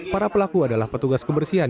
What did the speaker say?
para pelaku adalah petugas kebersihan